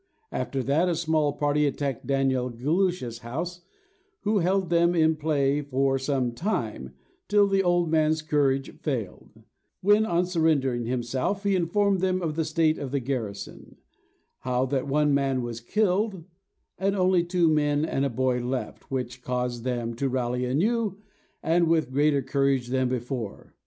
After that, a small party attacked Daniel Galusha's house, who held them in play for some time, till the old man's courage failed; when, on surrendering himself, he informed them of the state of the garrison; how that one man was killed, and only two men and a boy left; which caused them to rally anew, and with greater courage than before.